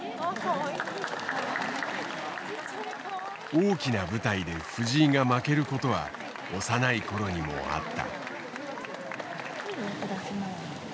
大きな舞台で藤井が負けることは幼いころにもあった。